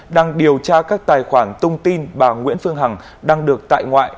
đang điều tra các tài khoản tung tin bà nguyễn phương hằng đang được tại ngoại